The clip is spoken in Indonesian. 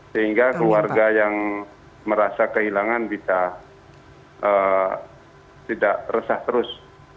sehingga keluarga yang merasa kehilangan bisa tidak resah terus